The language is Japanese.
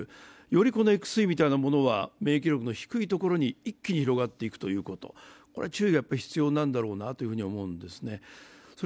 よりこのＸＥみたいなものは、免疫力の低いところに一気に広がっていくということ、注意が必要なんだろうと思うんです。